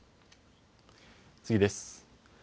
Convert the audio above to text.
次です。